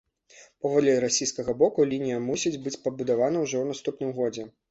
Паводле расійскага боку, лінія мусіць быць пабудаваная ўжо ў наступным годзе.